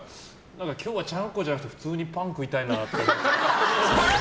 今日はちゃんこじゃなくて普通にパン食いたいなって。